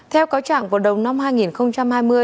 theo cáo trạng của đồng năm hai nghìn hai mươi